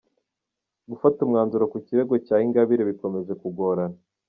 Gufata umwanzuro ku kirego cya Ingabire bikomeje kugorana